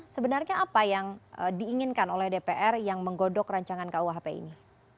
sebenarnya apa yang diinginkan oleh dpr yang menggodok rancangan kuhp ini